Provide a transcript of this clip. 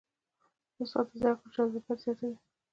استاد د زده کړو جذابیت زیاتوي.